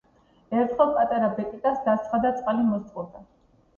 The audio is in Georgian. ერთხელ პატარა ბეკეკას , დასცხა და წყალი მოსწყურდა